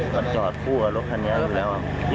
ก่อนจอดผู้กับรถคันนี้ก็รู้แล้ว